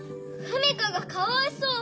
史佳がかわいそう！